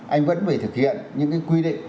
anh vẫn phải thực hiện những quy định